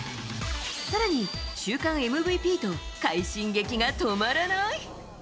さらに週間ＭＶＰと快進撃が止まらない。